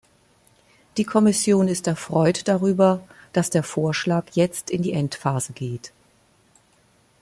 Die Kommission ist erfreut darüber, dass der Vorschlag jetzt in die Endphase geht.